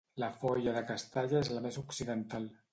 La foia de Castalla és la més occidental.